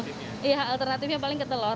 alternatifnya iya alternatifnya paling ketelor